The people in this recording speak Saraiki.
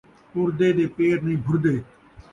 ٹردے دے پیر نئیں بھردے